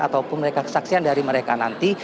ataupun mereka kesaksian dari mereka nanti